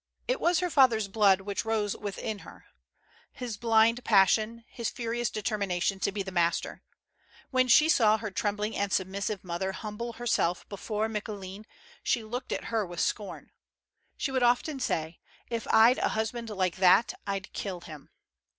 It was her father's blood which rose within her — his blind passion, his furious determination to be the master. When she saw her trembling and submissive mother humble her self before Micoulin, she looked at her with scorn. She would often say, " If I'd a husband like that, I'd kill him."